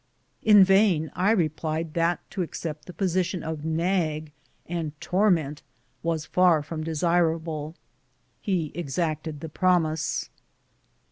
In vain I re plied that to accept the position of "nag" and "tor ment" was far from desirable. He exacted the promise.